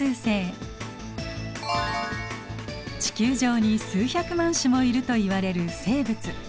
地球上に数百万種もいるといわれる生物。